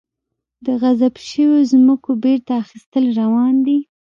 د غصب شویو ځمکو بیرته اخیستل روان دي؟